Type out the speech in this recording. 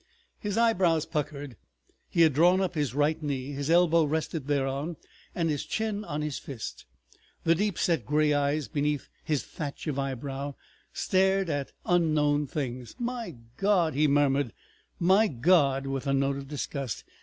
His eyebrows puckered. He had drawn up his right knee, his elbow rested thereon and his chin on his fist. The deep set gray eyes beneath his thatch of eyebrow stared at unknown things. "My God!" he murmured, "My God!" with a note of disgust.